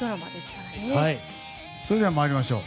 それでは参りましょう。